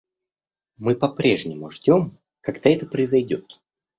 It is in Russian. Мы по-прежнему ждем, когда это произойдет.